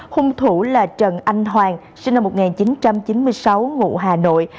hung thủ là trần anh hoàng sinh năm một nghìn chín trăm chín mươi sáu ngụ hà nội